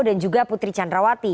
dan juga putri candrawati